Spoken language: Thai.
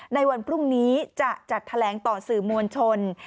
ในวันพรุ่งนี้จะจัดแถลงต่อสื่อมวลชน